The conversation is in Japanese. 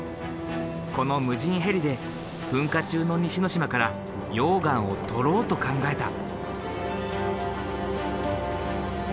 この無人ヘリで噴火中の西之島から溶岩を採ろうと考えた。